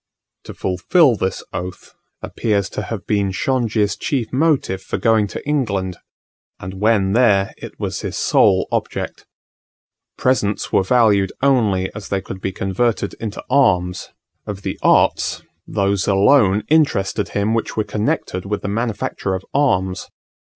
To fulfil this oath appears to have been Shongi's chief motive for going to England; and when there it was his sole object. Presents were valued only as they could be converted into arms; of the arts, those alone interested him which were connected with the manufacture of arms.